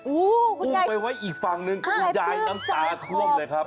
อุ้มไปไว้อีกฝั่งหนึ่งคุณยายน้ำตาท่วมเลยครับ